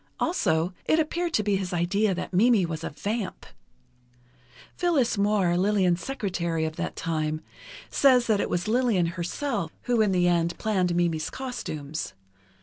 Also, it appeared to be his idea that Mimi was a vamp. Phyllis Moir, Lillian's secretary of that time, says that it was Lillian herself who, in the end, planned Mimi's costumes.